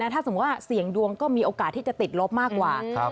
ถ้าสมมุติว่าเสี่ยงดวงก็มีโอกาสที่จะติดลบมากกว่า